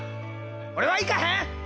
俺は行かへん！